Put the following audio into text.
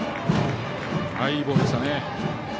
いいボールでしたね。